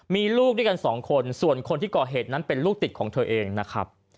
มีลูกด้วยกันสองคนส่วนคนที่ก่อเหตุนั้นเป็นลูกติดของเธอเองนะครับ